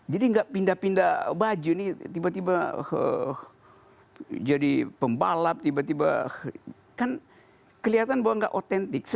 jadi nggak pindah pindah baju nih tiba tiba jadi pembalap tiba tiba kan kelihatan bahwa nggak otentik